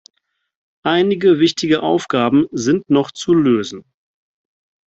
Einige wichtige Aufgaben sind noch zu lösen.